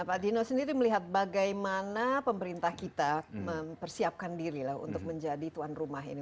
pak dino sendiri melihat bagaimana pemerintah kita mempersiapkan diri untuk menjadi tuan rumah ini